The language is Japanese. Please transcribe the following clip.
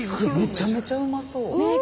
めちゃめちゃうまそう。